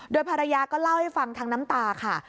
ภรรยาก็เล่าให้ฟังทั้งน้ำตาค่ะ